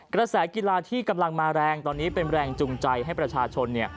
กระแสกีฬาที่กำลังมาแรงตอนนี้เป็นแรงจูงใจให้ประชาชนเนี่ย